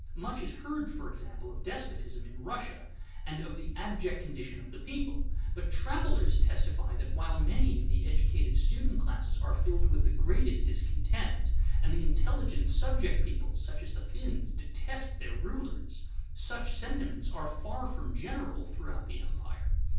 Much is heard, for example, of despotism in Russia, and of the abject condition of the people; but travelers testify that while many in the educated student classes are filled with the greatest discontent, and the intelligent subject peoples, such as the Finns, detest their rulers, such sentiments are far from general throughout the empire.